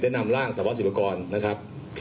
ได้นำร่างสวัสดิ์ศิวากรนะครับ